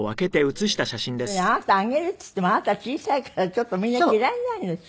それにあなたあげるっていってもあなた小さいからちょっとみんな着られないでしょ。